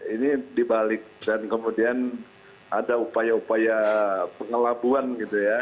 ini dibalik dan kemudian ada upaya upaya pengelabuan gitu ya